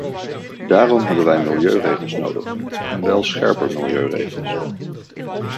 Daarom hebben wij milieuregels nodig, en wel scherpe milieuregels.